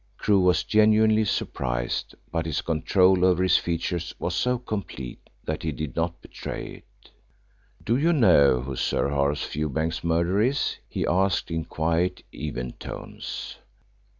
Crewe was genuinely surprised, but his control over his features was so complete that he did not betray it. "Do you know who Sir Horace Fewbanks's murderer is?" he asked, in quiet even tones.